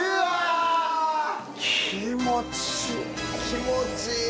気持ちいい。